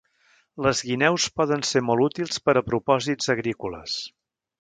Les guineus poden ser molt útils per a propòsits agrícoles.